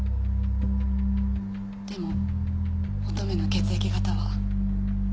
でも乙女の血液型は。